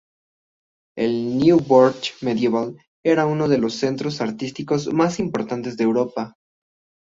El Nóvgorod medieval era uno de los centros artísticos más importantes de Europa.